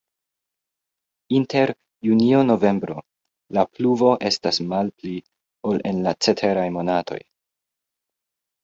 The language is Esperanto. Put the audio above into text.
Inter junio-novembro la pluvo estas malpli, ol en la ceteraj monatoj.